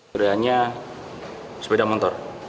curiannya sepeda motor